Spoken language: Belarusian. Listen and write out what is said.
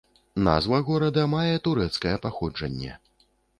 Назва горада мае турэцкае паходжанне.